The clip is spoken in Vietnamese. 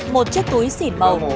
một chiếc túi xỉn màu